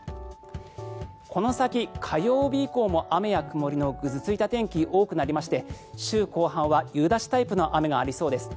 この先、火曜日以降も雨や曇りのぐずついた天気が多くなりまして週後半は夕立タイプの雨がありそうです。